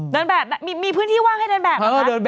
เดินแบบมีพื้นที่ว่างให้เดินแบบเหรอคะ